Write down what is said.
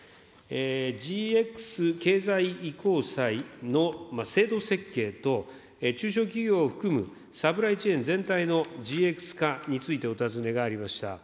ＧＸ経済移行債の制度設計と、中小企業を含む、サプライチェーン全体のＧＸ化についてお尋ねがありました。